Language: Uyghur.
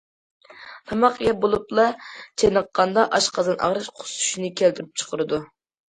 تاماق يەپ بولۇپلا چېنىققاندا، ئاشقازان ئاغرىش، قۇسۇشنى كەلتۈرۈپ چىقىرىدۇ.